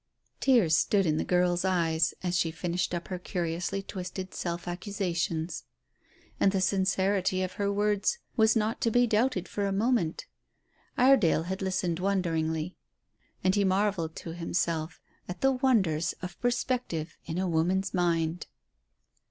Tears stood in the girl's eyes as she finished up her curiously twisted self accusations. And the sincerity of her words was not to be doubted for a moment. Iredale had listened wonderingly, and he marvelled to himself at the wonders of perspective in a woman's mind.